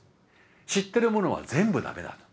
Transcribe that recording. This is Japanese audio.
知ってるものは全部ダメだと。